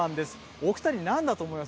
お２人、なんだと思います？